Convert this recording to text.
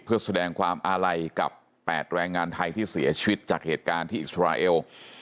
เพื่อแสดงความอาลัยกับ๘แรงงานไทยที่เสียชีวิตจากเหตุการณ์ที่อิสราเอล